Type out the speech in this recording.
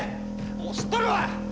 もう知っとるわ！